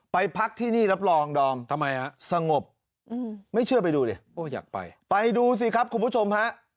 ไปพักที่นี่รับรองดอมสงบไม่เชื่อไปดูดิไปดูสิครับคุณผู้ชมฮะ